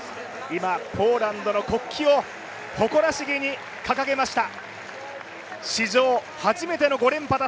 今、ポーランドの国旗を誇らしげに掲げました。